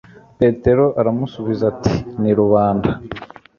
Petero aramusubiza ati :« Ni rubanda ».